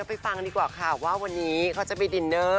ฟังดีกว่าค่ะว่าวันนี้เขาจะไปดินเนอร์